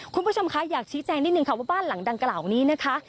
คุณผู้ชมคะอยากชี้แจงนิดนึงค่ะว่าบ้านหลังดังกล่าวนี้นะคะ